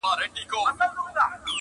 چي را نه سې پر دې سیمه پر دې لاره،